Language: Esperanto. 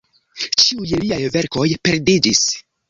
Ĉiuj liaj verkoj perdiĝis.